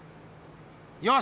よし！